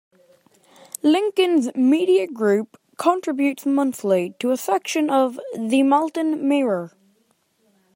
Lincoln's Media Group contributes monthly to a section of "The Malton Mirror".